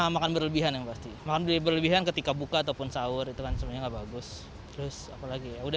makan berlebihan yang pasti makan berlebihan ketika buka ataupun sahur itu kan sebenarnya gak bagus